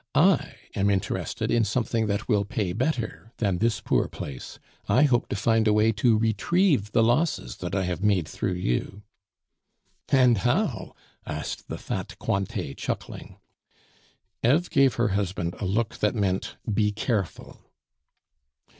I am interested in something that will pay better than this poor place; I hope to find a way to retrieve the losses that I have made through you " "And how?" asked the fat Cointet, chuckling. Eve gave her husband a look that meant, "Be careful!"